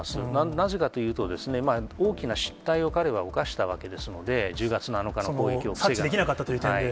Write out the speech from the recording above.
なぜかというと、大きな失態を彼はおかしたわけですので、１０月７日の攻撃を防げ察知できなかったという点で？